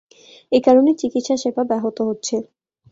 এ কারণে চিকিৎসা সেবা ব্যাহত হচ্ছে।